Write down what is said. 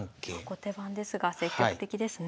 後手番ですが積極的ですね。